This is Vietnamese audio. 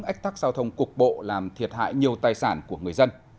ách tắc giao thông cục bộ làm thiệt hại nhiều tài sản của người dân